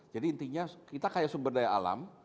jadi intinya kita kayak sumber daya alam